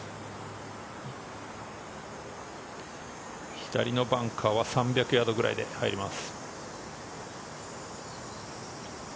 左のバンカーは３００ヤードぐらいで入ります。